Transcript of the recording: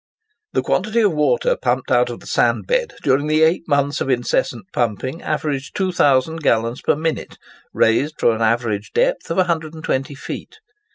The quantity of water pumped out of the sand bed during eight months of incessant pumping, averaged 2,000 gallons per minute, raised from an average depth of 120 feet.